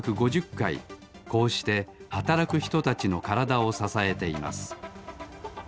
こうしてはたらくひとたちのからだをささえています。